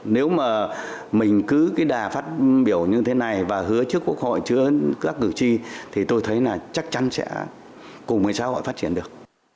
nếu mà mình cứ đà phát biểu như thế này và hứa trước quốc hội chứa các cực trì thì tôi thấy là chắc chắn sẽ cùng người xã hội phát triển được